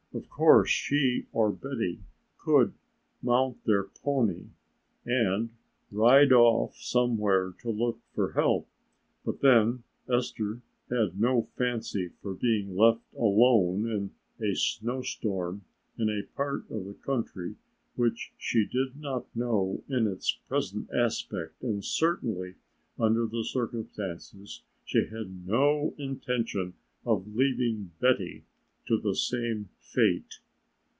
Of course she or Betty could mount their pony and ride off somewhere to look for help, but then Esther had no fancy for being left alone in a snow storm in a part of the country which she did not know in its present aspect and certainly under the circumstances she had no intention of leaving Betty to the same fate.